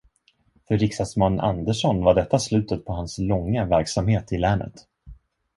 För riksdagsman Andersson var detta slutet på hans långa verksamhet i länet.